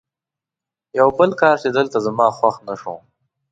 یو بل کار چې دلته زما خوښ نه شو.